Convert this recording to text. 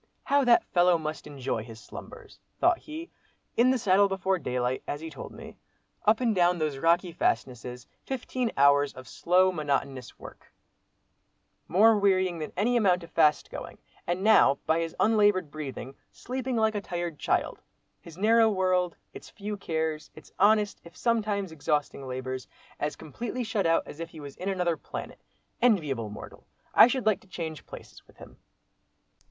"How that fellow must enjoy his slumbers!" thought he. "In the saddle before daylight, as he told me; up and down these rocky fastnesses—fifteen hours of slow, monotonous work, more wearying than any amount of fast going—and now, by his unlaboured breathing, sleeping like a tired child; his narrow world—its few cares—its honest, if sometimes exhausting labours, as completely shut out as if he was in another planet. Enviable mortal! I should like to change places with him."